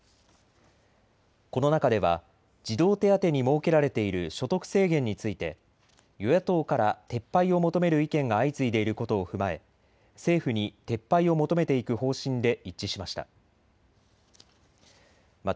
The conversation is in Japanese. この中では児童手当に設けられている所得制限について与野党から撤廃を求める意見が相次いでいることを踏まえ政府に撤廃を求めていく方針で一致しました。